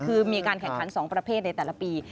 คือมีการแข่งขัน๒ประเภทในแต่ละปี